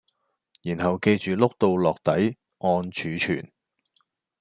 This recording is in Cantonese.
然後記住碌到落底按儲存